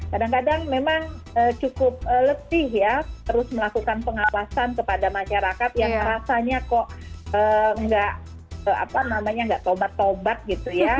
kadang kadang memang cukup letih ya terus melakukan pengawasan kepada masyarakat yang rasanya kok nggak apa namanya nggak tobat tobat gitu ya